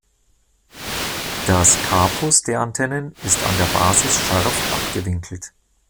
Der Scapus der Antennen ist an der Basis scharf abgewinkelt.